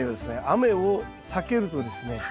雨を避けるとですね